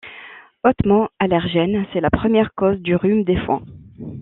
Hautement allergène, c'est la première cause du rhume des foins.